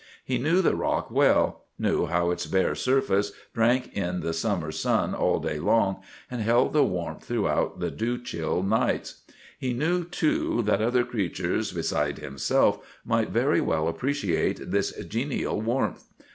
He knew the rock well—knew how its bare surface drank in the summer sun all day long, and held the warmth throughout the dew chill nights. He knew, too, that other creatures besides himself might very well appreciate this genial warmth.